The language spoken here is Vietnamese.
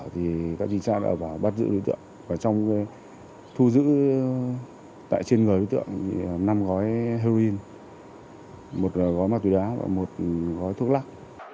tại trên người tượng năm gói heroin một gói ma túy đá và một gói thuốc lắc